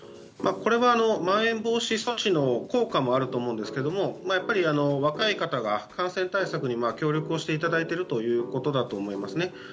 これは、まん延防止措置の効果もあると思うんですがやっぱり若い方が感染対策に協力していただいているということだと思います。